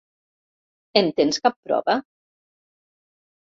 En tens cap prova?